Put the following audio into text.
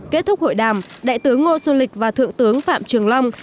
kết thúc hội đàm đại tướng ngô xuân lịch và thượng tướng phạm trường long